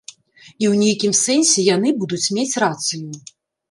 І ў нейкім сэнсе яны будуць мець рацыю.